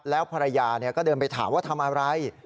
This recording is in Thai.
แล้วภรรยาก็เดินไปถามว่าทำอะไร